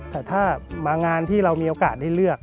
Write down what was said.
แต่ถ้ามางานที่เรามีโอกาสได้เลือก